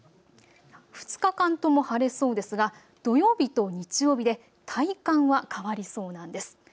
２日間とも晴れそうですが土曜日と日曜日で体感は変わりそうなんです。